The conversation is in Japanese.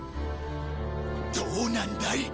どうなんだい？